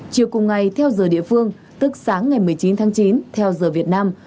chiều cùng ngày theo giờ địa phương tức sáng ngày một mươi chín tháng chín theo giờ việt nam